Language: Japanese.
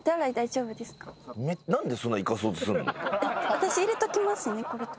私入れときますね。